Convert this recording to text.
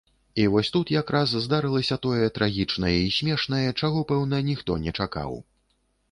І вось тут якраз здарылася тое трагічнае і смешнае, чаго, пэўна, ніхто не чакаў.